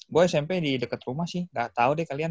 gue smp di deket rumah sih enggak tahu deh kalian